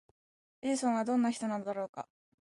エジソンはどんな人なのだろうか？